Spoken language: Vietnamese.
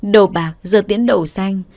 đầu bạc giờ tiễn đậu xanh